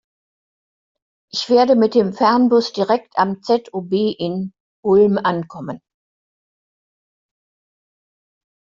Ich werde mit dem Fernbus direkt am ZOB in Ulm ankommen.